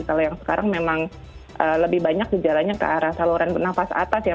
kalau yang sekarang memang lebih banyak gejalanya ke arah saluran bernafas atas ya